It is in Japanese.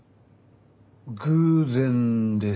偶然ですか。